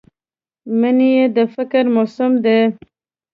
مني د فکر موسم دی